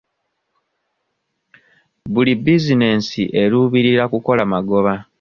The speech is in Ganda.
Buli bizinensi eruubirira kukola magoba.